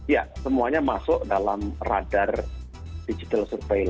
ya semuanya masuk dalam radar digital surveillan